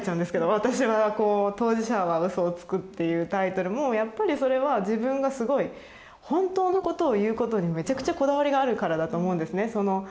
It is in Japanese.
私はこう「当事者は嘘をつく」っていうタイトルもやっぱりそれは自分がすごい本当のことを言うことにめちゃくちゃこだわりがあるからだと思うんですね。